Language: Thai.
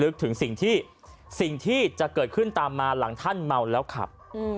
หรือประมาณรู้สึกแค่ถึงสิ่งที่จะเกิดขึ้นตามมาหลังท่านเมาแล้วขับ